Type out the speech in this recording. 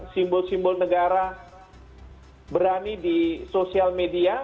simbol simbol negara berani di sosial media